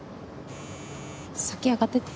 先上がってて。